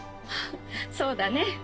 そうだね」。